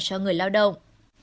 cho người lao động